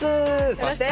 そして！